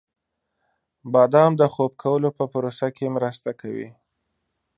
• بادام د خوب کولو په پروسه کې مرسته کوي.